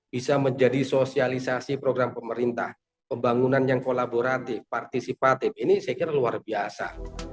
pak adib ini saya kira luar biasa